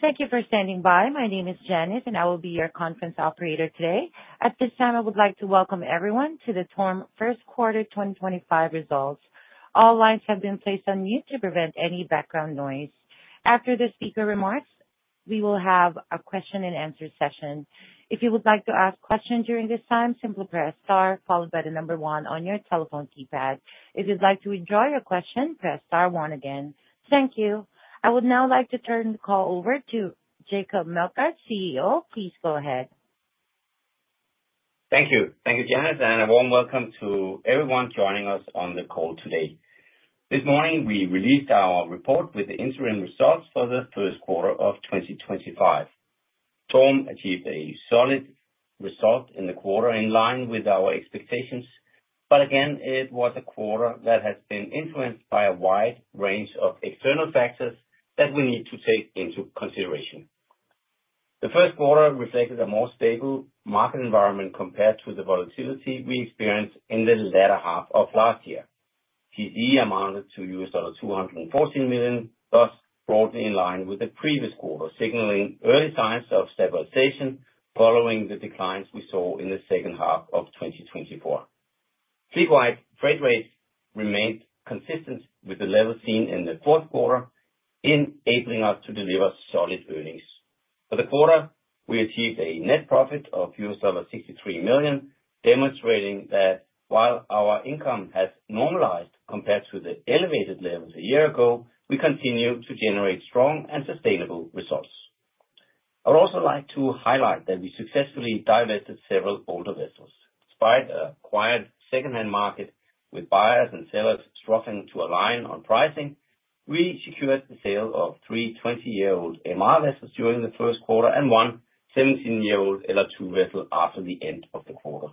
Thank you for standing by. My name is Janet, and I will be your conference operator today. At this time, I would like to welcome everyone to the TORM First Quarter 2025 results. All lines have been placed on mute to prevent any background noise. After the speaker remarks, we will have a question-and-answer session. If you would like to ask a question during this time, simply press star followed by the number one on your telephone keypad. If you'd like to withdraw your question, press star one again. Thank you. I would now like to turn the call over to Jacob Meldgaard, CEO. Please go ahead. Thank you. Thank you, Janet, and a warm welcome to everyone joining us on the call today. This morning, we released our report with the interim results for the first quarter of 2025. TORM achieved a solid result in the quarter in line with our expectations, but again, it was a quarter that has been influenced by a wide range of external factors that we need to take into consideration. The first quarter reflected a more stable market environment compared to the volatility we experienced in the latter half of last year. TCE amounted to $214 million, thus broadly in line with the previous quarter, signaling early signs of stabilization following the declines we saw in the second half of 2024. Fleetwide freight rates remained consistent with the level seen in the fourth quarter, enabling us to deliver solid earnings. For the quarter, we achieved a net profit of $63 million, demonstrating that while our income has normalized compared to the elevated levels a year ago, we continue to generate strong and sustainable results. I would also like to highlight that we successfully divested several older vessels. Despite a quiet second-hand market with buyers and sellers struggling to align on pricing, we secured the sale of three 20-year-old MR vessels during the first quarter and one 17-year-old LR2 vessel after the end of the quarter.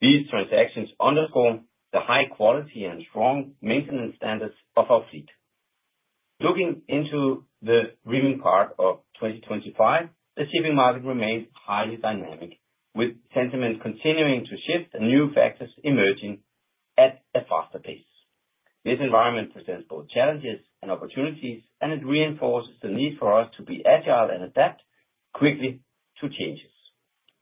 These transactions underscore the high quality and strong maintenance standards of our fleet. Looking into the remaining part of 2025, the shipping market remains highly dynamic, with sentiment continuing to shift and new factors emerging at a faster pace. This environment presents both challenges and opportunities, and it reinforces the need for us to be agile and adapt quickly to changes.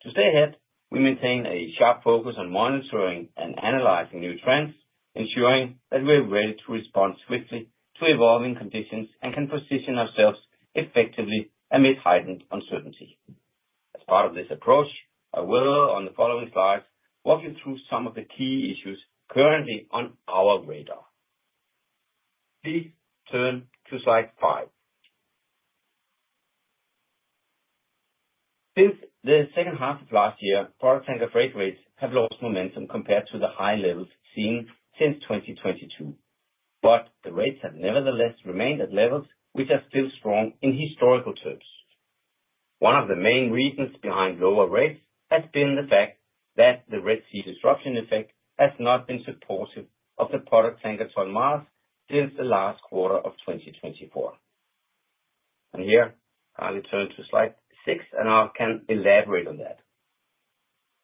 To stay ahead, we maintain a sharp focus on monitoring and analyzing new trends, ensuring that we are ready to respond swiftly to evolving conditions and can position ourselves effectively amid heightened uncertainty. As part of this approach, I will, on the following slides, walk you through some of the key issues currently on our radar. Please turn to slide five. Since the second half of last year, product tanker freight rates have lost momentum compared to the high levels seen since 2022, but the rates have nevertheless remained at levels which are still strong in historical terms. One of the main reasons behind lower rates has been the fact that the Red Sea disruption effect has not been supportive of the product tanker turn marks since the last quarter of 2024. Here, I'll turn to slide six, and I can elaborate on that.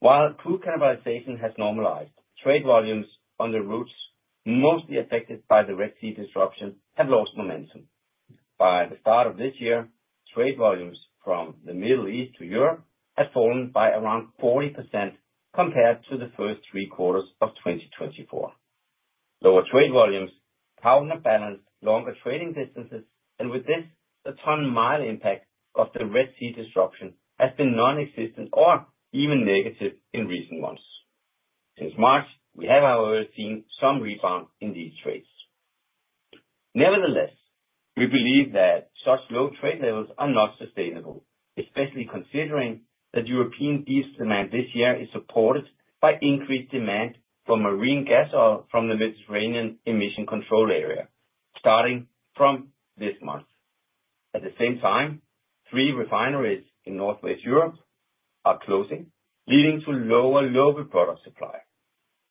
While crew cannibalization has normalized, trade volumes on the routes, mostly affected by the Red Sea disruption, have lost momentum. By the start of this year, trade volumes from the Middle East to Europe have fallen by around 40% compared to the first three quarters of 2024. Lower trade volumes have outbalanced longer trading distances, and with this, the ton-mile impact of the Red Sea disruption has been nonexistent or even negative in recent months. Since March, we have, however, seen some rebound in these trades. Nevertheless, we believe that such low trade levels are not sustainable, especially considering that European deep demand this year is supported by increased demand for marine gas oil from the Mediterranean Emission Control Area, starting from this month. At the same time, three refineries in Northwest Europe are closing, leading to lower local product supply.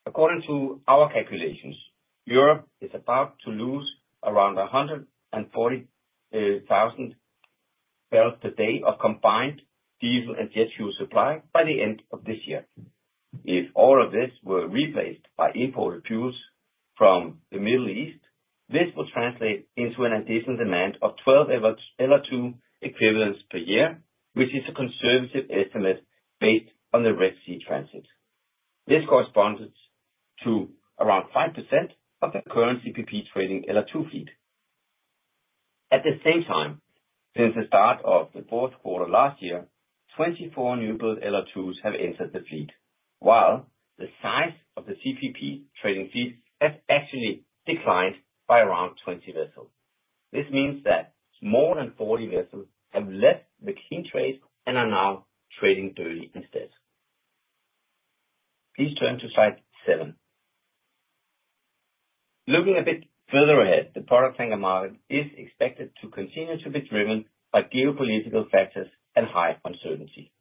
According to our calculations, Europe is about to lose around 140,000 barrels per day of combined diesel and jet fuel supply by the end of this year. If all of this were replaced by imported fuels from the Middle East, this would translate into an additional demand of 12 LR2 equivalents per year, which is a conservative estimate based on the Red Sea transit. This corresponds to around 5% of the current CPP trading LR2 fleet. At the same time, since the start of the fourth quarter last year, 24 newbuild LR2s have entered the fleet, while the size of the CPP trading fleet has actually declined by around 20 vessels. This means that more than 40 vessels have left the key trade and are now trading dirty instead. Please turn to slide seven. Looking a bit further ahead, the product tanker market is expected to continue to be driven by geopolitical factors and high uncertainty.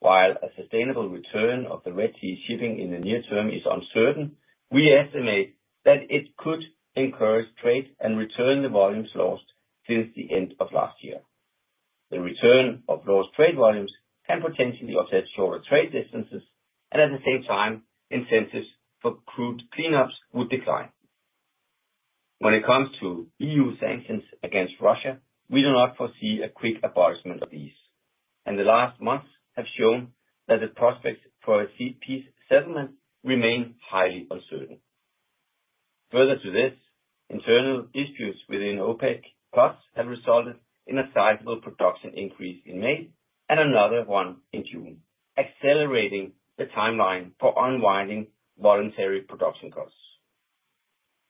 While a sustainable return of the Red Sea shipping in the near term is uncertain, we estimate that it could encourage trade and return the volumes lost since the end of last year. The return of lost trade volumes can potentially offset shorter trade distances, and at the same time, incentives for crude cleanups would decline. When it comes to EU sanctions against Russia, we do not foresee a quick abolishment of these, and the last months have shown that the prospects for a peace settlement remain highly uncertain. Further to this, internal disputes within OPEC+ have resulted in a sizable production increase in May and another one in June, accelerating the timeline for unwinding voluntary production cuts.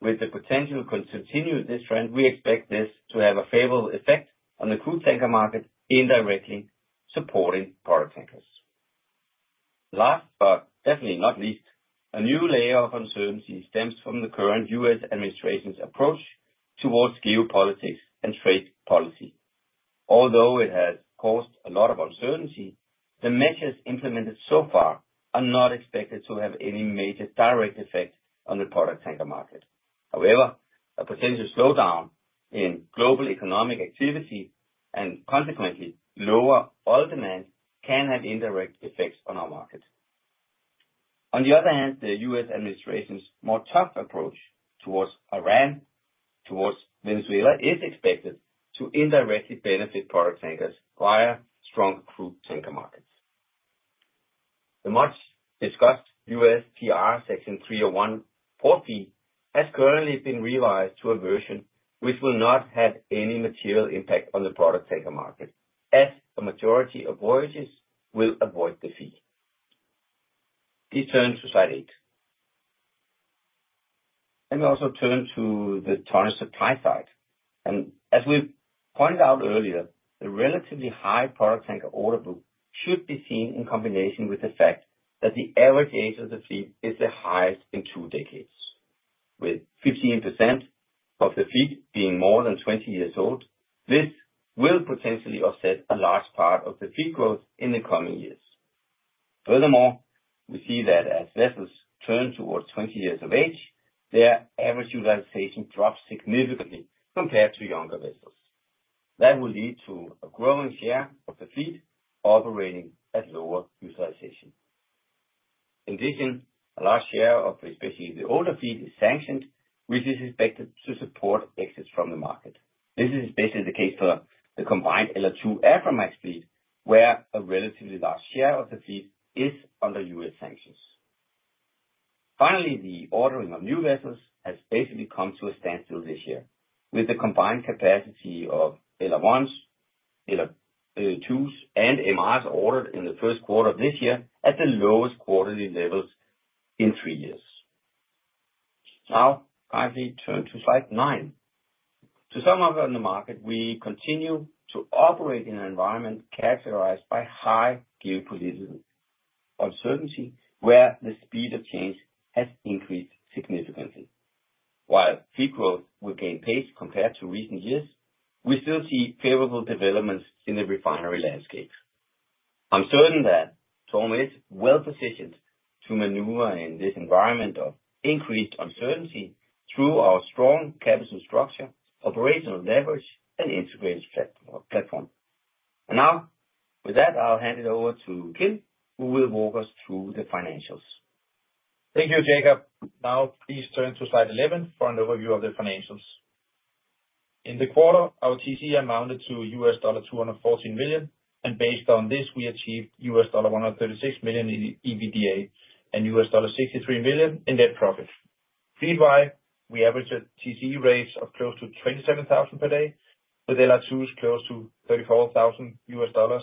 With the potential to continue this trend, we expect this to have a favorable effect on the crude tanker market, indirectly supporting product tankers. Last but definitely not least, a new layer of uncertainty stems from the current US administration's approach towards geopolitics and trade policy. Although it has caused a lot of uncertainty, the measures implemented so far are not expected to have any major direct effect on the product tanker market. However, a potential slowdown in global economic activity and consequently lower oil demand can have indirect effects on our market. On the other hand, the U.S. administration's more tough approach towards Iran, towards Venezuela, is expected to indirectly benefit product tankers via stronger crude tanker markets. The much-discussed U.S. PR Section 301(4)(b) has currently been revised to a version which will not have any material impact on the product tanker market, as a majority of voyages will avoid the fee. Please turn to slide eight. We also turn to the TORM supply side. As we pointed out earlier, the relatively high product tanker order book should be seen in combination with the fact that the average age of the fleet is the highest in two decades. With 15% of the fleet being more than 20 years old, this will potentially offset a large part of the fleet growth in the coming years. Furthermore, we see that as vessels turn towards 20 years of age, their average utilization drops significantly compared to younger vessels. That will lead to a growing share of the fleet operating at lower utilization. In addition, a large share of, especially the older fleet, is sanctioned, which is expected to support exits from the market. This is especially the case for the combined LR2 Aframax fleet, where a relatively large share of the fleet is under U.S. sanctions. Finally, the ordering of new vessels has basically come to a standstill this year, with the combined capacity of LR1s, LR2s, and MRs ordered in the first quarter of this year at the lowest quarterly levels in three years. Now, kindly turn to slide nine. To some of you in the market, we continue to operate in an environment characterized by high geopolitical uncertainty, where the speed of change has increased significantly. While fleet growth will gain pace compared to recent years, we still see favorable developments in the refinery landscape. I'm certain that TORM is well positioned to maneuver in this environment of increased uncertainty through our strong capital structure, operational leverage, and integrated platform. With that, I'll hand it over to Kim, who will walk us through the financials. Thank you, Jacob. Now, please turn to slide 11 for an overview of the financials. In the quarter, our TCE amounted to $214 million, and based on this, we achieved $136 million in EBITDA and $63 million in net profit. Fleetwise, we averaged a TCE rate of close to $27,000 per day, with LR2s close to $34,000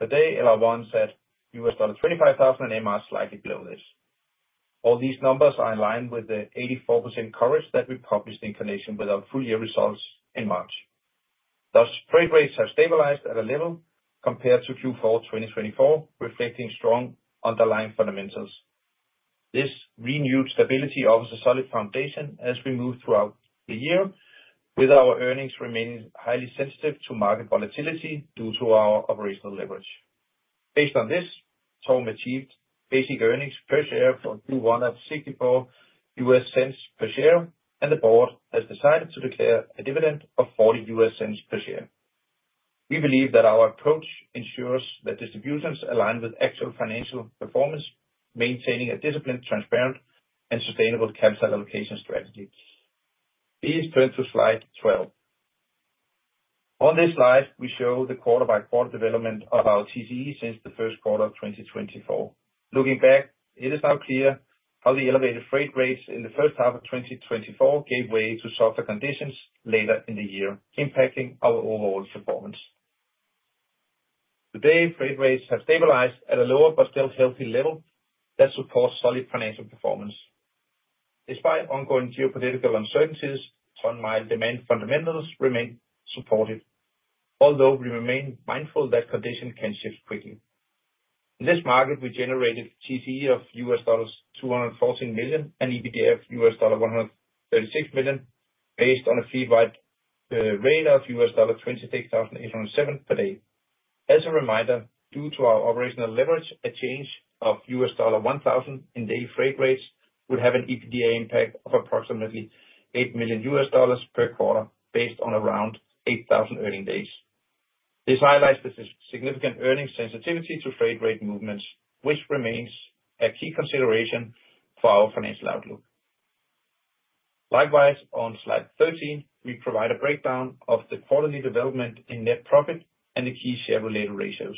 per day, LR1s at $25,000, and MRs slightly below this. All these numbers are in line with the 84% coverage that we published in connection with our full year results in March. Thus, freight rates have stabilized at a level compared to Q4 2024, reflecting strong underlying fundamentals. This renewed stability offers a solid foundation as we move throughout the year, with our earnings remaining highly sensitive to market volatility due to our operational leverage. Based on this, TORM achieved basic earnings per share for Q1 at $0.64 per share, and the board has decided to declare a dividend of $0.40 per share. We believe that our approach ensures that distributions align with actual financial performance, maintaining a disciplined, transparent, and sustainable capital allocation strategy. Please turn to slide 12. On this slide, we show the quarter-by-quarter development of our TCE since the first quarter of 2024. Looking back, it is now clear how the elevated freight rates in the first half of 2024 gave way to softer conditions later in the year, impacting our overall performance. Today, freight rates have stabilized at a lower but still healthy level that supports solid financial performance. Despite ongoing geopolitical uncertainties, ton-mile demand fundamentals remain supportive, although we remain mindful that conditions can shift quickly. In this market, we generated TCE of $214 million and EBITDA of $136 million based on a fleetwide rate of $26,807 per day. As a reminder, due to our operational leverage, a change of $1,000 in daily freight rates would have an EBITDA impact of approximately $8 million per quarter based on around 8,000 earning days. This highlights the significant earnings sensitivity to freight rate movements, which remains a key consideration for our financial outlook. Likewise, on slide 13, we provide a breakdown of the quarterly development in net profit and the key share-related ratios.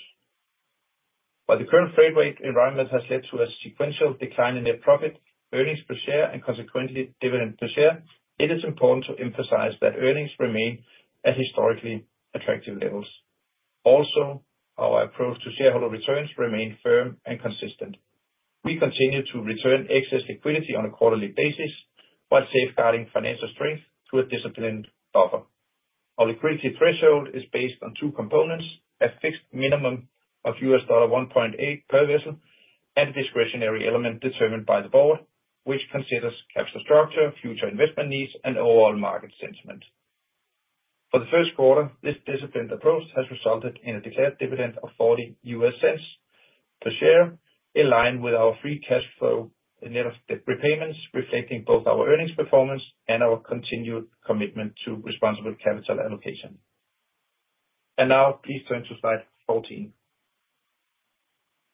While the current freight rate environment has led to a sequential decline in net profit, earnings per share, and consequently dividend per share, it is important to emphasize that earnings remain at historically attractive levels. Also, our approach to shareholder returns remains firm and consistent. We continue to return excess liquidity on a quarterly basis while safeguarding financial strength through a disciplined buffer. Our liquidity threshold is based on two components: a fixed minimum of $1.8 million per vessel and a discretionary element determined by the board, which considers capital structure, future investment needs, and overall market sentiment. For the first quarter, this disciplined approach has resulted in a declared dividend of $0.40 per share, in line with our free cash flow net repayments, reflecting both our earnings performance and our continued commitment to responsible capital allocation. Please turn to slide 14.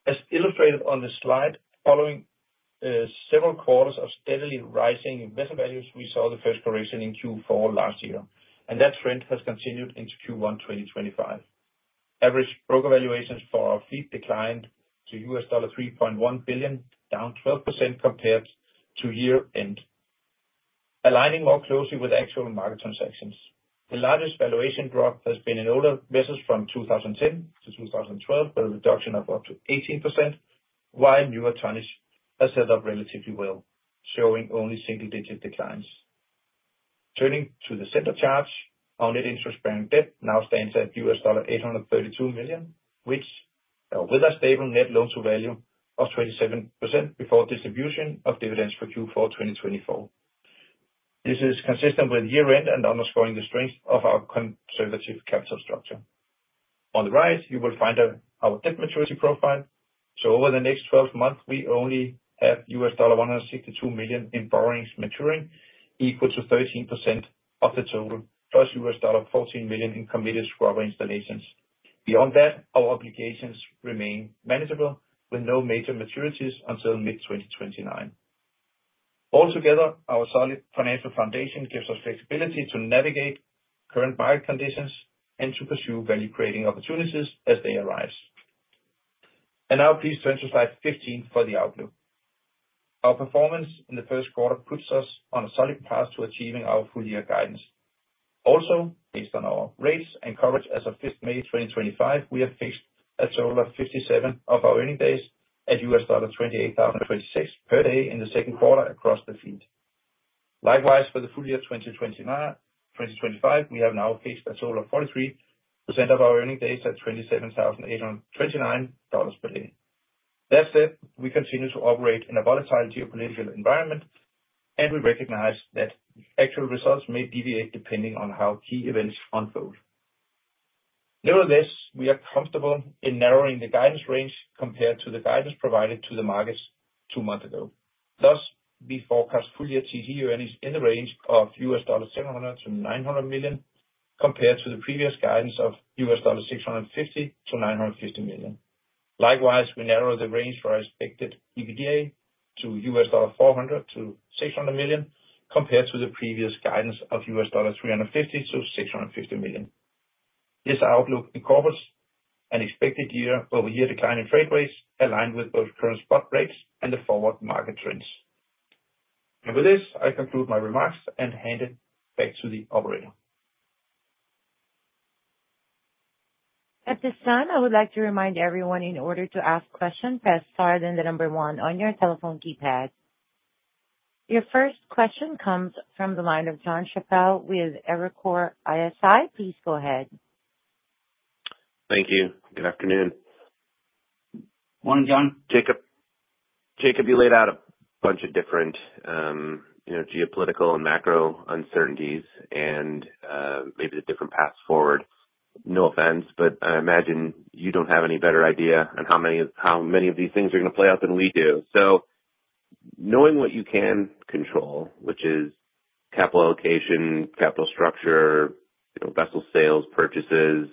As illustrated on this slide, following several quarters of steadily rising vessel values, we saw the first correction in Q4 last year, and that trend has continued into Q1 2025. Average broker valuations for our fleet declined to $3.1 billion, down 12% compared to year-end, aligning more closely with actual market transactions. The largest valuation drop has been in older vessels from 2010 to 2012, with a reduction of up to 18%, while newer tonnage has held up relatively well, showing only single-digit declines. Turning to the center charge, our net interest-bearing debt now stands at $832 million, which, with a stable net loan-to-value of 27% before distribution of dividends for Q4 2024. This is consistent with year-end and underscoring the strength of our conservative capital structure. On the right, you will find our debt maturity profile. Over the next 12 months, we only have $162 million in borrowings maturing, equal to 13% of the total, plus $14 million in committed scrubber installations. Beyond that, our obligations remain manageable, with no major maturities until mid-2029. Altogether, our solid financial foundation gives us flexibility to navigate current market conditions and to pursue value-creating opportunities as they arise. Please turn to slide 15 for the outlook. Our performance in the first quarter puts us on a solid path to achieving our full-year guidance. Also, based on our rates and coverage as of 5th May 2025, we have fixed a total of 57 of our earning days at $28,026 per day in the second quarter across the fleet. Likewise, for the full year 2025, we have now fixed a total of 43% of our earning days at $27,829 per day. That said, we continue to operate in a volatile geopolitical environment, and we recognize that actual results may deviate depending on how key events unfold. Nevertheless, we are comfortable in narrowing the guidance range compared to the guidance provided to the markets two months ago. Thus, we forecast full-year TCE earnings in the range of $700 million-$900 million compared to the previous guidance of $650 million-$950 million. Likewise, we narrow the range for expected EBITDA to $400 million-$600 million compared to the previous guidance of $350 million-$650 million. This outlook incorporates an expected year-over-year decline in freight rates, aligned with both current spot rates and the forward market trends. With this, I conclude my remarks and hand it back to the operator. At this time, I would like to remind everyone in order to ask questions to start in the number one on your telephone keypad. Your first question comes from the line of Jon Chappell with Evercore ISI. Please go ahead. Thank you. Good afternoon. Morning, Jon. Jacob, you laid out a bunch of different geopolitical and macro uncertainties and maybe the different paths forward. No offense, but I imagine you do not have any better idea on how many of these things are going to play out than we do. Knowing what you can control, which is capital allocation, capital structure, vessel sales, purchases,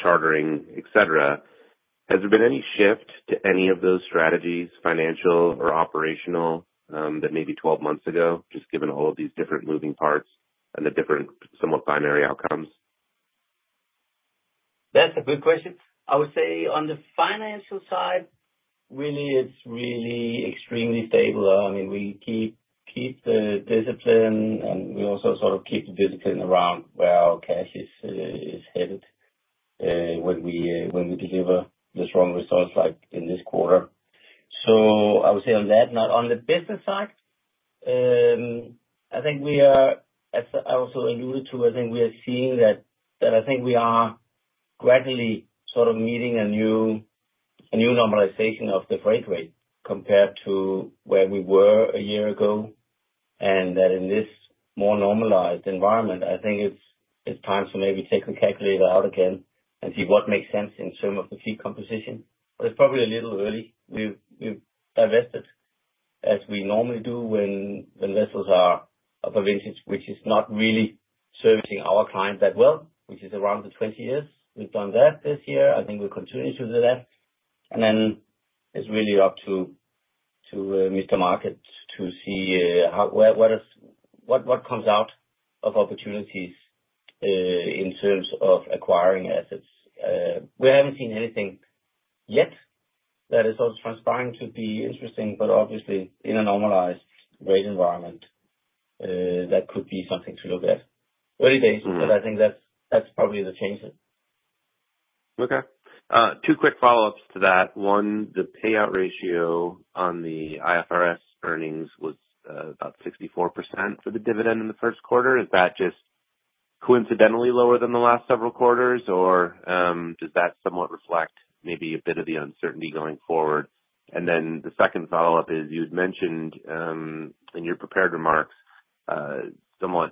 chartering, etc., has there been any shift to any of those strategies, financial or operational, that maybe 12 months ago, just given all of these different moving parts and the different somewhat binary outcomes? That's a good question. I would say on the financial side, really, it's really extremely stable. I mean, we keep the discipline, and we also sort of keep the discipline around where our cash is headed when we deliver the strong results like in this quarter. I would say on that. Now, on the business side, I think we are, as I also alluded to, I think we are seeing that I think we are gradually sort of meeting a new normalization of the freight rate compared to where we were a year ago, and that in this more normalized environment, I think it's time to maybe take the calculator out again and see what makes sense in terms of the fleet composition. It's probably a little early. We've divested, as we normally do when vessels are of a vintage, which is not really servicing our client that well, which is around the 20 years. We've done that this year. I think we'll continue to do that. It is really up to Mr. Market to see what comes out of opportunities in terms of acquiring assets. We haven't seen anything yet that is so transpiring to be interesting, but obviously, in a normalized rate environment, that could be something to look at. Early days, but I think that's probably the changes. Okay. Two quick follow-ups to that. One, the payout ratio on the IFRS earnings was about 64% for the dividend in the first quarter. Is that just coincidentally lower than the last several quarters, or does that somewhat reflect maybe a bit of the uncertainty going forward? The second follow-up is you had mentioned in your prepared remarks somewhat,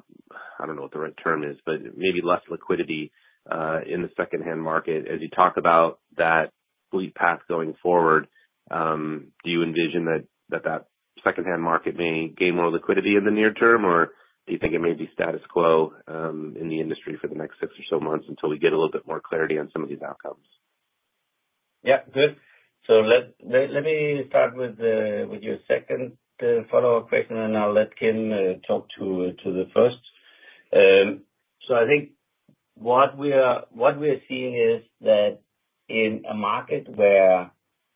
I do not know what the right term is, but maybe less liquidity in the secondhand market. As you talk about that fleet path going forward, do you envision that that secondhand market may gain more liquidity in the near term, or do you think it may be status quo in the industry for the next six or so months until we get a little bit more clarity on some of these outcomes? Yeah, good. Let me start with your second follow-up question, and I'll let Kim talk to the first. I think what we are seeing is that in a market where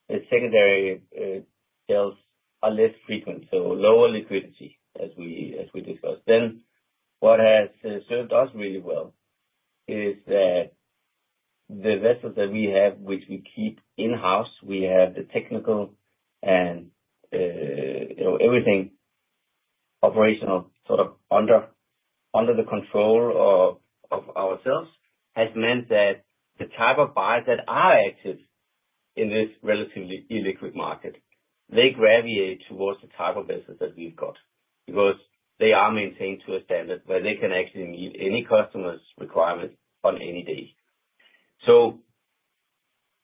the secondary sales are less frequent, so lower liquidity, as we discussed, what has served us really well is that the vessels that we have, which we keep in-house, we have the technical and everything operational sort of under the control of ourselves, has meant that the type of buyers that are active in this relatively illiquid market, they gravitate towards the type of vessels that we've got because they are maintained to a standard where they can actually meet any customer's requirements on any day.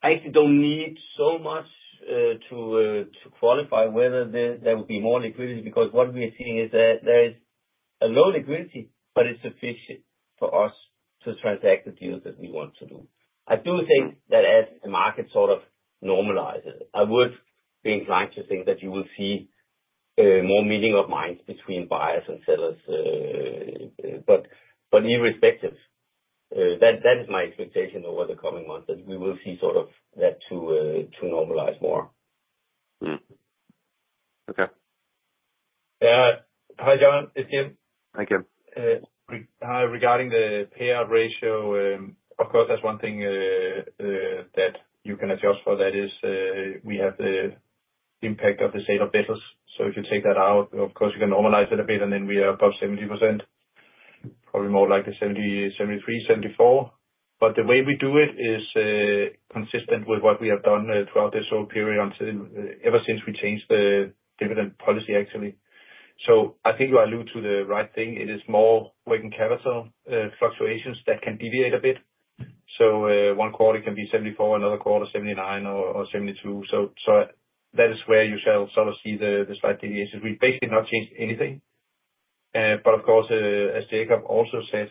I actually don't need so much to qualify whether there would be more liquidity because what we are seeing is that there is a low liquidity, but it's sufficient for us to transact the deals that we want to do. I do think that as the market sort of normalizes, I would be inclined to think that you will see more meeting of minds between buyers and sellers, but irrespective, that is my expectation over the coming months that we will see sort of that to normalize more. Okay. Hi, Jon. It's Kim. Hi, Kim. Hi. Regarding the payout ratio, of course, that's one thing that you can adjust for. That is, we have the impact of the sale of vessels. If you take that out, of course, you can normalize it a bit, and then we are above 70%, probably more like the 73-74%. The way we do it is consistent with what we have done throughout this whole period ever since we changed the dividend policy, actually. I think you allude to the right thing. It is more working capital fluctuations that can deviate a bit. One quarter can be 74%, another quarter 79% or 72%. That is where you shall sort of see the slight deviations. We've basically not changed anything. Of course, as Jacob also said,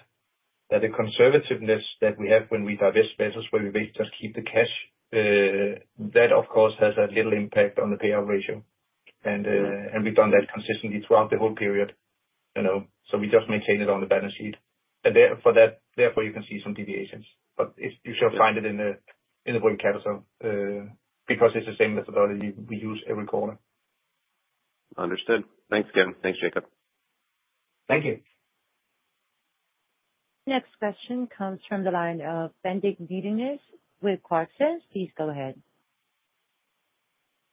the conservativeness that we have when we divest vessels, where we basically just keep the cash, that, of course, has a little impact on the payout ratio. We've done that consistently throughout the whole period. We just maintain it on the balance sheet. Therefore, you can see some deviations. You shall find it in the working capital because it's the same methodology we use every quarter. Understood. Thanks, Kim. Thanks, Jacob. Thank you. Next question comes from the line of Bendik Nyttingnes with Clarksons. Please go ahead.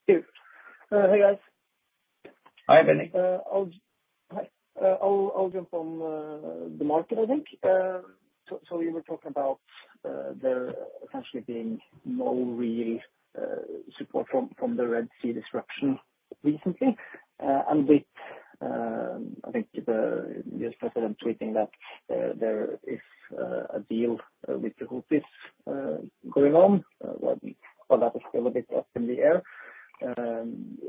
Hey, guys. Hi, Bendik. I'll jump on the market, I think. We were talking about there essentially being no real support from the Red Sea disruption recently. With, I think, the U.S. president tweeting that there is a deal with the Houthis going on, but that is still a bit up in the air.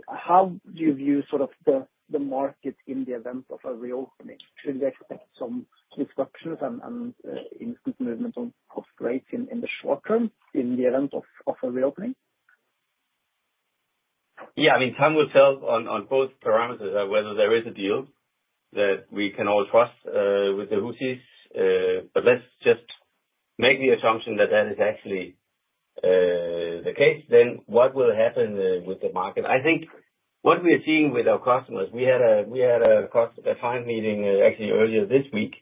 How do you view sort of the market in the event of a reopening? Should we expect some disruptions and instant movement of rates in the short term in the event of a reopening? Yeah, I mean, time will tell on both parameters, whether there is a deal that we can all trust with the Houthis. Let's just make the assumption that that is actually the case. What will happen with the market? I think what we are seeing with our customers, we had a customer client meeting actually earlier this week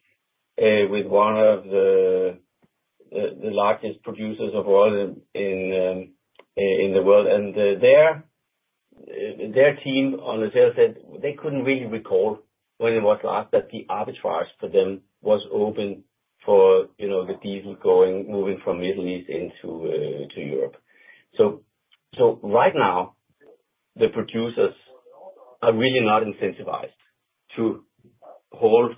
with one of the largest producers of oil in the world. Their team on the sales side, they could not really recall when it was last that the arbitrage for them was open for the diesel moving from the Middle East into Europe. Right now, the producers are really not incentivized to hold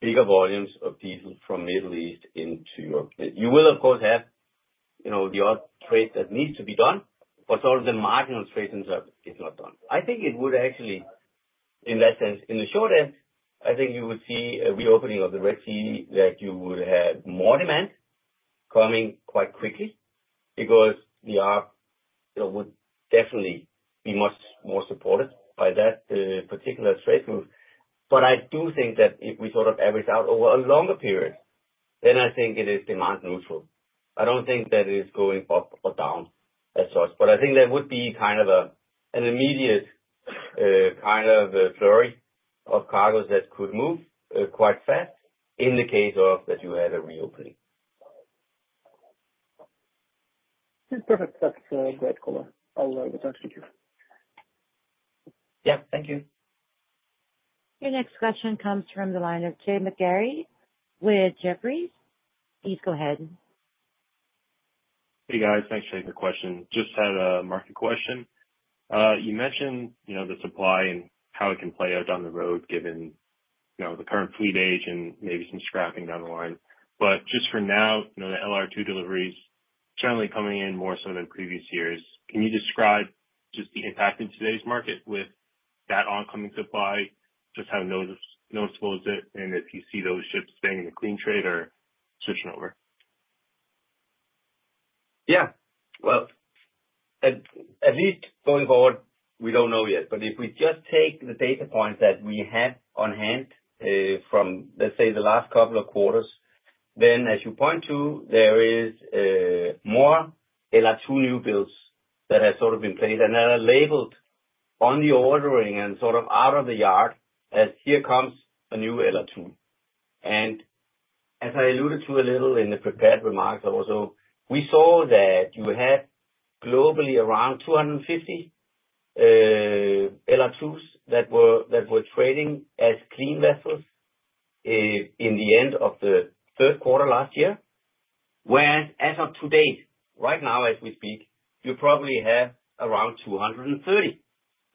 bigger volumes of diesel from the Middle East into Europe. You will, of course, have the odd trade that needs to be done, but sort of the marginal trade in terms is not done. I think it would actually, in that sense, in the short end, I think you would see a reopening of the Red Sea, that you would have more demand coming quite quickly because the ARP would definitely be much more supported by that particular trade move. I do think that if we sort of average out over a longer period, then I think it is demand neutral. I do not think that it is going up or down as such. I think there would be kind of an immediate kind of flurry of cargoes that could move quite fast in the case of that you had a reopening. Perfect. That's a great caller. I'll return to you. Yeah, thank you. Your next question comes from the line of Jae McGarry with Jefferies. Please go ahead. Hey, guys. Thanks for taking the question. Just had a market question. You mentioned the supply and how it can play out down the road given the current fleet age and maybe some scrapping down the line. Just for now, the LR2 deliveries generally coming in more so than previous years. Can you describe just the impact in today's market with that oncoming supply, just how noticeable is it, and if you see those ships staying in the clean trade or switching over? Yeah. At least going forward, we do not know yet. If we just take the data points that we have on hand from, let's say, the last couple of quarters, then as you point to, there is more LR2 newbuilds that have sort of been placed and that are labeled on the ordering and sort of out of the yard as here comes a new LR2. As I alluded to a little in the prepared remarks also, we saw that you had globally around 250 LR2s that were trading as clean vessels in the end of the third quarter last year, whereas as of today, right now, as we speak, you probably have around 230.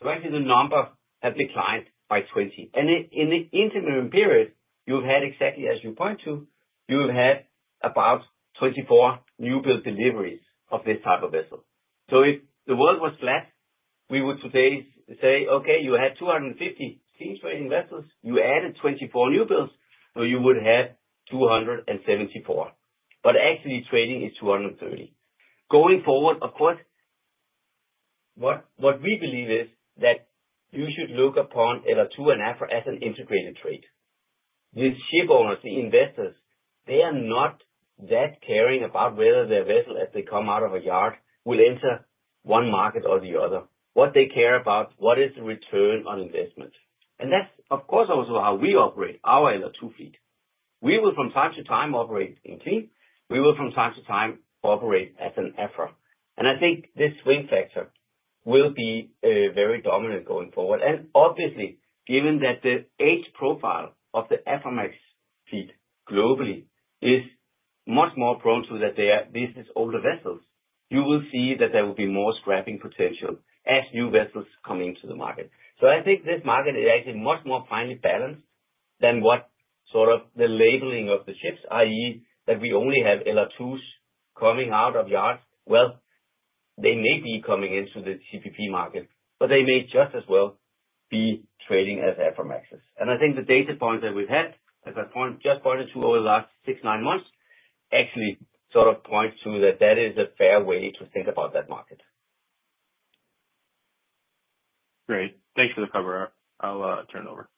Actually, the number has declined by 20. In the interim period, exactly as you point to, you have had about 24 newbuild deliveries of this type of vessel. If the world was flat, we would today say, "Okay, you had 250 clean trading vessels. You added 24 newbuilds, so you would have 274." Actually, trading is 230. Going forward, of course, what we believe is that you should look upon LR2 and Aframax as an integrated trade. These ship owners, the investors, they are not that caring about whether their vessel, as they come out of a yard, will enter one market or the other. What they care about is what is the return on investment. That is, of course, also how we operate our LR2 fleet. We will, from time to time, operate in clean. We will, from time to time, operate as an Aframax. I think this swing factor will be very dominant going forward. Obviously, given that the age profile of the Aframax fleet globally is much more prone to that these are older vessels, you will see that there will be more scrapping potential as new vessels come into the market. I think this market is actually much more finely balanced than what sort of the labeling of the ships, i.e., that we only have LR2s coming out of yards. They may be coming into the CPP market, but they may just as well be trading as Aframaxes. I think the data points that we've had, as I just pointed to over the last six, nine months, actually sort of point to that that is a fair way to think about that market. Great. Thanks for the cover-up. I'll turn it over.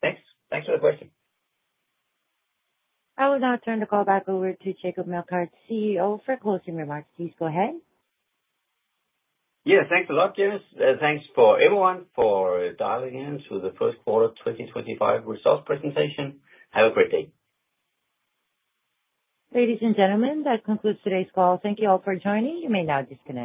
Thanks. Thanks for the question. I will now turn the call back over to Jacob Meldgaard, CEO, for closing remarks. Please go ahead. Yeah, thanks a lot, Janet. Thanks for everyone for dialing in to the first quarter 2025 results presentation. Have a great day. Ladies and gentlemen, that concludes today's call. Thank you all for joining. You may now disconnect.